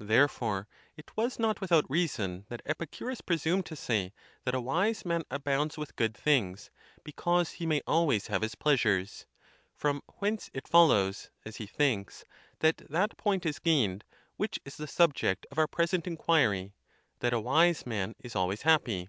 Therefore, it was not with out reason that Epicurus presumed to say that a wise man abounds with good things, because he may always have his pleasures; from whence it follows, as he thinks, that that point is gained which is the subject of our present inquiry, that a wise man is always happy.